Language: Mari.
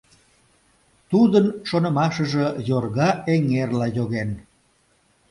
Тудын шонымашыже йорга эҥерла йоген.